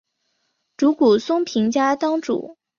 竹谷松平家当主。